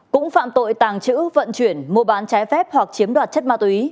cũng phạm tội tàng trữ vận chuyển mua bán trái phép hoặc chiếm đoạt chất ma túy